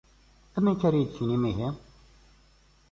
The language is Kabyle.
Amek ad iyi-d-tinim ihi?